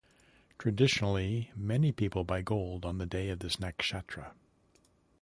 Traditionally, many people buy gold on the day of this Nakshatra.